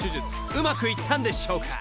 ［うまくいったんでしょうか？］